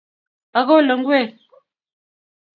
Akole ngwek